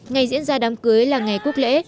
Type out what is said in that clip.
ngày diễn ra đám cưới là ngày quốc lễ